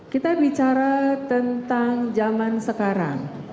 kita bicara tentang zaman sekarang